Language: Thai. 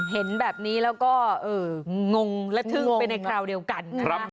เห็นแบบนี้แล้วก็งงและทึ่งไปในคราวเดียวกัน